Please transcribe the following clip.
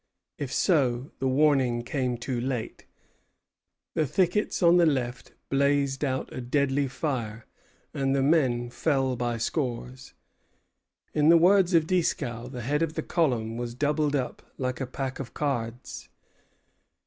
If so, the warning came too late. The thickets on the left blazed out a deadly fire, and the men fell by scores. In the words of Dieskau, the head of the column "was doubled up like a pack of cards."